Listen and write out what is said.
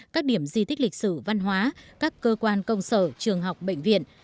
các điểm di tích lịch sử văn hóa các cơ quan công sở trường học bệnh viện